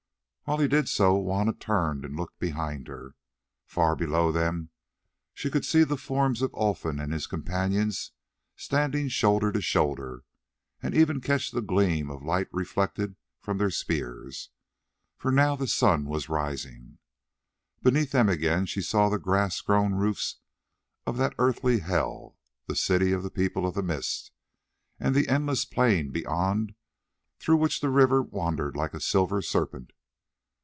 While he did so, Juanna turned and looked behind her. Far below them she could see the forms of Olfan and his companions standing shoulder to shoulder, and even catch the gleams of light reflected from their spears, for now the sun was rising. Beneath them again she saw the grass grown roofs of that earthly hell, the City of the People of the Mist, and the endless plain beyond through which the river wandered like a silver serpent.